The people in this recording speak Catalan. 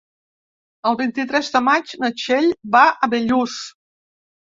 El vint-i-tres de maig na Txell va a Bellús.